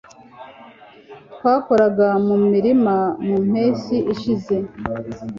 Twakoraga mu murima mu mpeshyi ishize